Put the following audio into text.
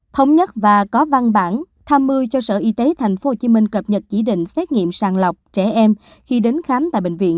thống nhất và có văn bản tham mưu cho sở y tế tp hcm cập nhật chỉ định xét nghiệm sàng lọc trẻ em khi đến khám tại bệnh viện